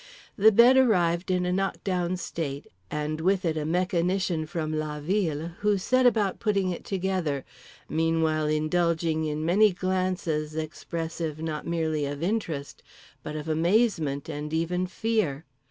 The bed arrived in a knock down state and with it a mechanician from la ville, who set about putting it together, meanwhile indulging in many glances expressive not merely of interest but of amazement and even fear.